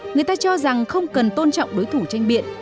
người ta cho rằng không cần tôn trọng đối thủ tranh biện